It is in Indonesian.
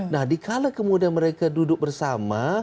nah dikala kemudian mereka duduk bersama